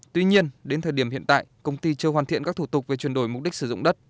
tuy nhiên đến thời điểm hiện tại công ty chưa hoàn thiện các thủ tục về chuyển đổi mục đích sử dụng đất